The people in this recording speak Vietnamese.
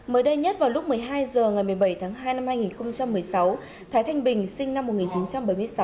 mới đây nhất vào lúc một mươi hai h ngày một mươi bảy tháng hai năm hai nghìn một mươi sáu thái thanh bình sinh năm một nghìn chín trăm bảy mươi sáu